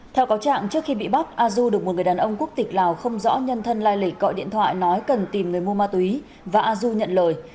theo cáo trạng trước khi bị bắt azu được một người đàn ông quốc tịch lào không rõ nhân thân lai lị gọi điện thoại nói cần tìm người mua ma túy và azu nhận lời